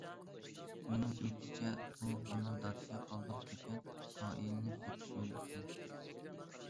ئۇنىڭ ئېيتىشىچە بۇ ئۇنىڭ دادىسى قالدۇرۇپ كەتكەن ئائىلىنى بېقىش يولى ئىكەن.